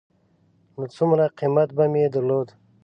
نو څومره قېمت به مې درلود.